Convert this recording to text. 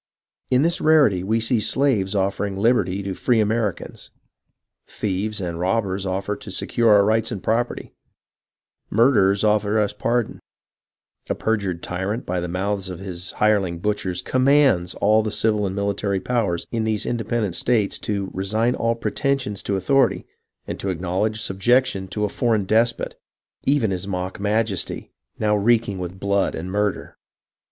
In this rarity we see slaves offering liberty to free Ameri cans ; thieves and robbers offer to secure our rights and property; murderers offer us pardon; a perjured tyrant by the mouths of two of his hireling butchers 'commands' all the civil and military powers, in these independent states to resign all pretensions to authority, and to acknow ledge subjection to a foreign despot, even his mock maj esty, now reeking with blood and murder.